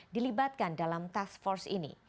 dilibatkan dalam task force ini